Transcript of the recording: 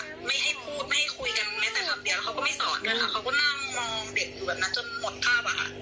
ไม่ให้พูดไม่ให้คุยกันแม้แต่คำเดียวแล้วเขาก็ไม่สอนด้วยค่ะเขาก็นั่งมองเด็กอยู่แบบนั้นจนหมดภาพอะค่ะ